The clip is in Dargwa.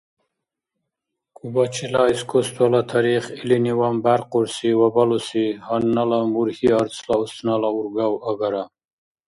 Кубачила искусствола тарих илиниван бяркъурси ва балуси гьаннала мургьи-арцла устнала ургав агара.